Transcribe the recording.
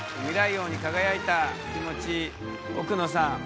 王に輝いた気持ち奥野さん